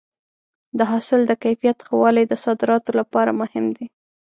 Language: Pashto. د حاصل د کیفیت ښه والی د صادراتو لپاره مهم دی.